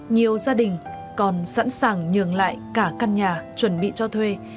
nhiều gia đình còn sẵn sàng nhường lại cả căn nhà chuẩn bị cho thuê